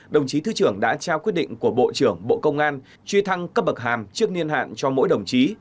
đồng chí thứ trưởng đã trao quyết định của bộ trưởng bộ công an truy thăng cấp bậc hàm trước niên hạn cho mỗi đồng chí